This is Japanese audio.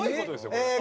これ。